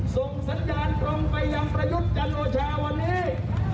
ส่งสัญญาณไปอย่างประยุทธ์จังโอเชียววันนี้